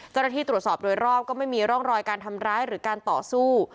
เจ้าหน้าที่ตรวจสอบโดยรอบก็ไม่มีร่องรอยการทำร้ายหรือการต่อสู้